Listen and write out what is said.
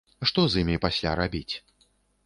Што з імі пасля рабіць?